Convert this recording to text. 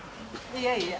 いやいや。